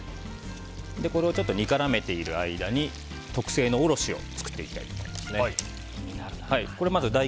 これをちょっと煮絡めている間に特製のおろしを作っていきたいと思います。